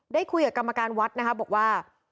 ได้คุยกับกรรมการวัดนะคะบอกว่า